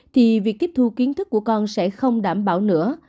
thì việc tiếp thu kiến thức của con sẽ không đảm bảo nữa